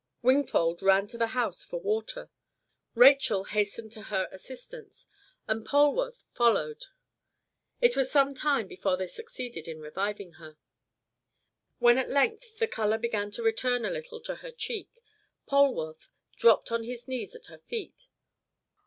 Wingfold ran to the house for water. Rachel hastened to her assistance, and Polwarth followed. It was some time before they succeeded in reviving her. When at length the colour began to return a little to her cheek, Polwarth dropped on his knees at her feet.